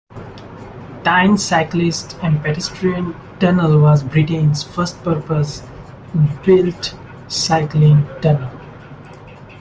Tyne Cyclist and Pedestrian Tunnel was Britain's first purpose-built cycling tunnel.